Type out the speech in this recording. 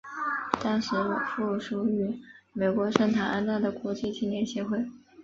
当时附属于美国圣塔安娜的国际青年协会。